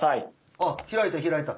あ開いた開いた。